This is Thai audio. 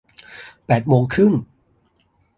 แปดโมงครึ่ง